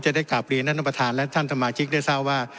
จะได้กลับเรียนท่านประธานและท่านสมาชิกได้ทราบว่า